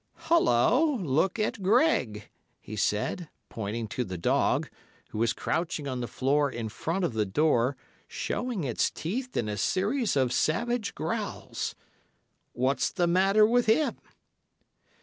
"'Hullo, look at Greg!' he said, pointing to the dog, who was crouching on the floor in front of the door showing its teeth in a series of savage growls. 'What's the matter with him?